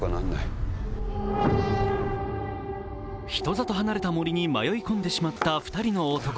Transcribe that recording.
人里離れた森に迷い込んでしまった２人の男。